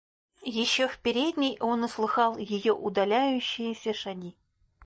Еще в передней он услыхал ее удаляющиеся шаги.